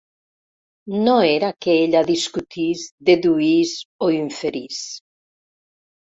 No era que ella discutís, deduís o inferís.